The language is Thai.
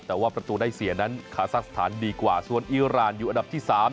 แต่ว่าประตูได้เสียนั้นคาซักสถานดีกว่าส่วนอีรานอยู่อันดับที่๓